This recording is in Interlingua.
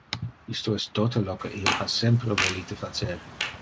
Isto es tote lo que io ha sempre volite facer.